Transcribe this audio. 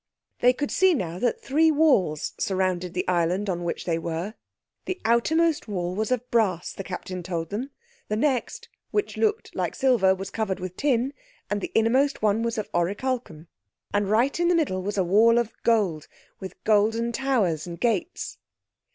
They could see now that three walls surrounded the island on which they were. The outermost wall was of brass, the Captain told them; the next, which looked like silver, was covered with tin; and the innermost one was of oricalchum. And right in the middle was a wall of gold, with golden towers and gates.